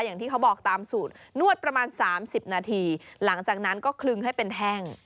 อย่างที่เขาบอกตามสูตรนวดประมาณ๓๐นาทีหลังจากนั้นก็คลึงให้เป็นแห้ง